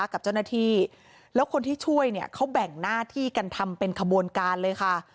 กับเจ้าหน้าที่แล้วคนที่ช่วยเนี่ยเขาแบ่งหน้าที่กันทำเป็นขบวนการเลยค่ะ